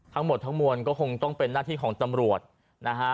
ทั้งหมดทั้งมวลก็คงต้องเป็นหน้าที่ของตำรวจนะฮะ